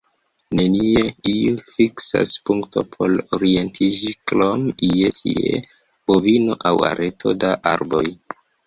Nenie iu fiksa punkto por orientiĝi, krom ie-tie bovino aŭ areto da arboj.